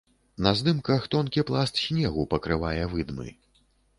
На здымках тонкі пласт снегу пакрывае выдмы.